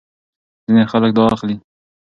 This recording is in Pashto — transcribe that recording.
ځینې خلک دا اخلي.